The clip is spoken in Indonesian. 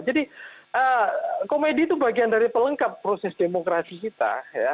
jadi komedi itu bagian dari pelengkap proses demokrasi kita